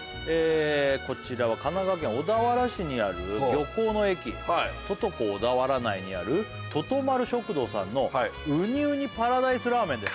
こちらは「神奈川県小田原市にある」「漁港の駅ＴＯＴＯＣＯ小田原内にある」「とと丸食堂さんのうにうにパラダイスラーメンです」